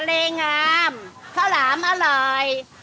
เลงามข้าวหลามอร่อย